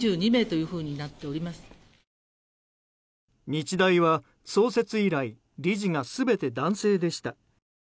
日大は創設以来理事が全て男性でした。